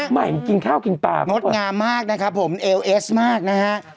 ใหม่กินข้าวกินปากงดงามมากนะครับผมเอลเอสมากนะฮะ